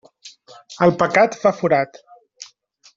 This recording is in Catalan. El pecat fa forat.